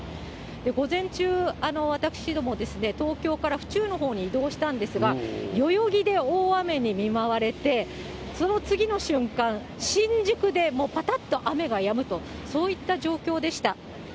午前中、私ども、東京から府中のほうに移動したんですが、代々木で大雨に見舞われて、その次の瞬間、新宿でもうぱたっと雨がやむと、そういった状況でした。